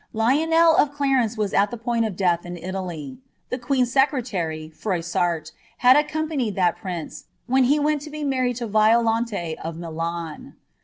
Lionel ( Clarence was at the point of death in Italy ; the queen's secretary, 'roissart, had accompanied that prince, when he went to be married to ^iolante of Milan.